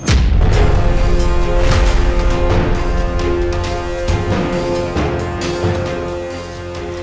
tante aku mau ke rumah